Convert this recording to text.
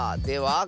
では